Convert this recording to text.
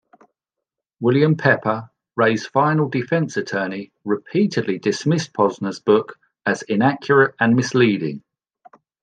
William Pepper, Ray's final defense attorney, repeatedly dismissed Posner's book as inaccurate and misleading.